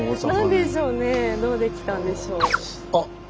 何でしょうねどうできたんでしょう？あっ。